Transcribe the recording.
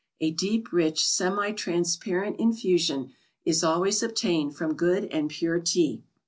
A deep rich semi transparent infusion is always obtained from good and pure Tea.